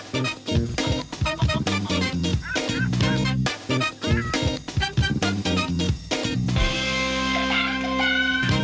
ก่อนจะอารมณ์ขึ้นไปมากกว่านี้นะคะนะครับผมนะ